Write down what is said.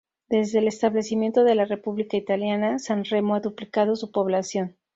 Desde el establecimiento de la república italiana, San Remo ha duplicado su población.